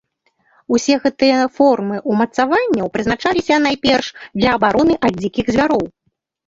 Усе гэтыя формы ўмацаванняў прызначаліся, найперш, для абароны ад дзікіх звяроў.